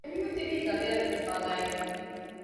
ދެމީހުން ތިބީ ގަދައަށް ދުފާލައިގެން